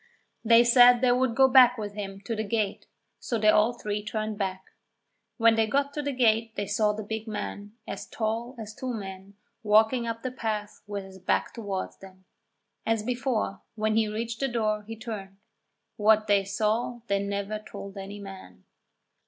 They said they would go back with him to the gate, so they all three turned back. When they got to the gate they saw the big man, as tall as two men, walking up the path with his back towards them. As before, when he reached the door, he turned what they saw they never told any man!